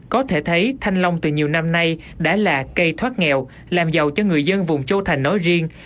có thể thấy thanh long từ nhiều năm nay đã là cây thoát nghèo làm giàu cho người dân vùng châu thành nói riêng